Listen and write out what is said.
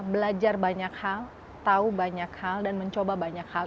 belajar banyak hal tahu banyak hal dan mencoba banyak hal